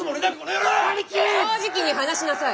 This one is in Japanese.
正直に話しなさい！